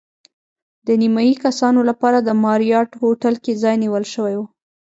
د نیمایي کسانو لپاره د ماریاټ هوټل کې ځای نیول شوی و.